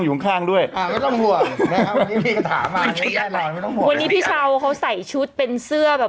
หนุ่มกัญชัยโทรมา